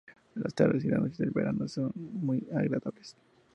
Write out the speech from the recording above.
Las tardes y las noches del verano son muy agradables.